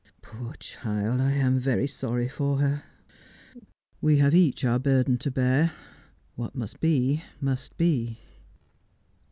' Poor child, I am very sorry for her. We have each our burden to bear. What must be must be.'